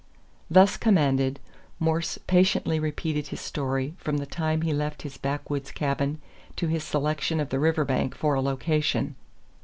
Thus commanded, Morse patiently repeated his story from the time he had left his backwoods cabin to his selection of the river bank for a "location."